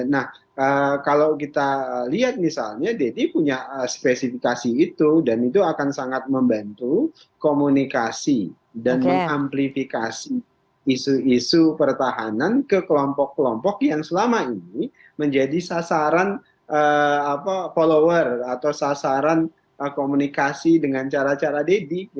nah kalau kita lihat misalnya deddy punya spesifikasi itu dan itu akan sangat membantu komunikasi dan mengamplifikasi isu isu pertahanan ke kelompok kelompok yang selama ini menjadi sasaran follower atau sasaran komunikasi dengan cara cara deddy